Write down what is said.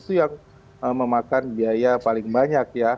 itu yang memakan biaya paling banyak ya